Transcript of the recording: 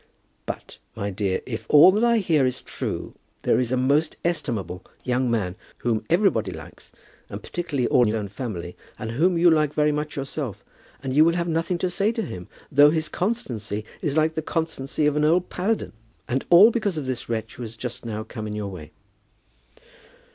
"But, my dear, if all that I hear is true, there is a most estimable young man, whom everybody likes, and particularly all your own family, and whom you like very much yourself; and you will have nothing to say to him, though his constancy is like the constancy of an old Paladin, and all because of this wretch who just now came in your way."